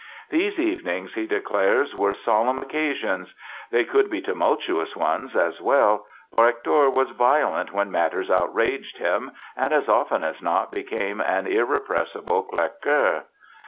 These evenings, he declares, were "solemn" occasions. They could be tumultous ones, as well; for Hector was violent when matters outraged him and as often as not became an irrepressible clacqueur.